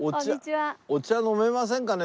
お茶飲めませんかね？